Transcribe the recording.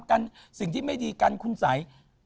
กันสิ่งที่ไม่ดีกันคุณสัย